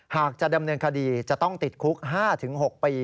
หากจะดำเนินคดีจะต้องติดคุก๕๖ปี